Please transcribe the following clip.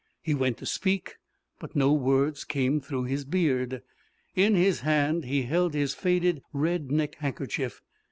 He went to speak, but no words came through his beard. In his hand he held his faded red neck handkerchief.